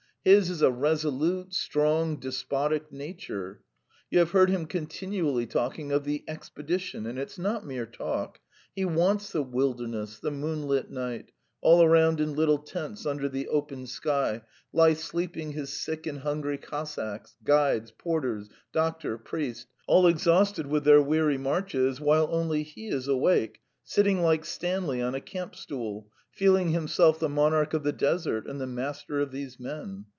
His is a resolute, strong, despotic nature. You have heard him continually talking of 'the expedition,' and it's not mere talk. He wants the wilderness, the moonlit night: all around in little tents, under the open sky, lie sleeping his sick and hungry Cossacks, guides, porters, doctor, priest, all exhausted with their weary marches, while only he is awake, sitting like Stanley on a camp stool, feeling himself the monarch of the desert and the master of these men.